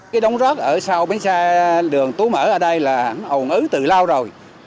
cái đống rớt ở sau bến xe đường tú mở ở đây là ổn ứ tự lao rồi